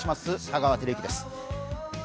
香川照之です。